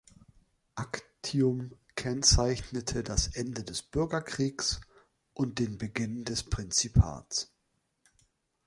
Actium kennzeichnete das Ende des Bürgerkrieges und den Beginn des Prinzipats.